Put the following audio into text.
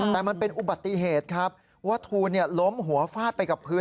แต่มันเป็นอุบัติเหตุครับว่าทูลล้มหัวฟาดไปกับพื้น